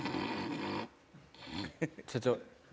社長？